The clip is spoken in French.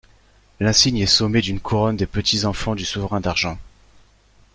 L'insigne est sommée d'une couronne des petits-enfants du souverain d'argent.